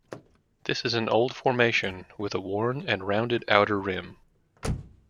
This is an old formation with a worn and rounded outer rim.